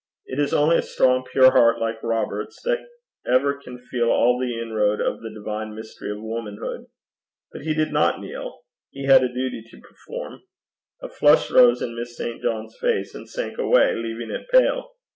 It is only a strong, pure heart like Robert's that ever can feel all the inroad of the divine mystery of womanhood. But he did not kneel. He had a duty to perform. A flush rose in Miss St. John's face, and sank away, leaving it pale.